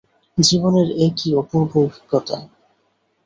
জীবনের একি অপূর্ব অভিজ্ঞতা!